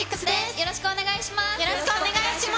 よろしくお願いします。